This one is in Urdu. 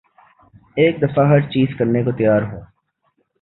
ایک دفعہ ہر چیز کرنے کو تیار ہوں